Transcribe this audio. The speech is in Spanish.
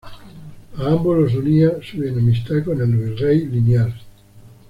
A ambos los unía su enemistad con el virrey Liniers.